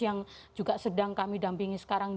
yang juga sedang kami dampingi sekarang